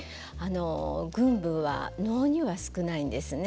群舞は能には少ないんですね。